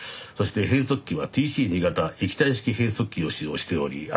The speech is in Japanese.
そして変速機はＴＣ−２形液体式変速機を使用しており。